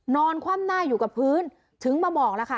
คว่ำหน้าอยู่กับพื้นถึงมาบอกแล้วค่ะ